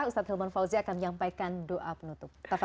ustadz hilman fauzi akan menyampaikan doa penutup